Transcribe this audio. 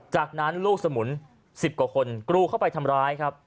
จากนั้นลูกสมุน๑๐กว่าคนกรูเข้าไปทำร้ายครับ